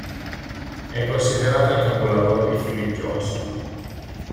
È considerata il capolavoro di Philip Johnson.